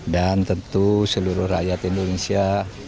dan tentu seluruh rakyat indonesia